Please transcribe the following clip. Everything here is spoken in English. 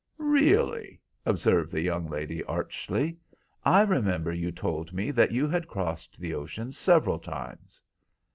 "Really?" observed the young lady, archly. "I remember you told me that you had crossed the ocean several times."